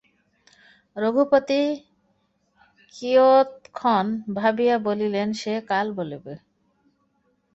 রঘুপতি কিয়ৎক্ষণ ভাবিয়া বলিলেন, সে কাল বলিব।